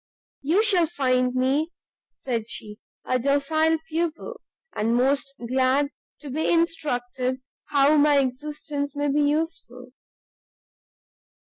"You shall find me," said she, "a docile pupil, and most glad to be instructed how my existence may be useful."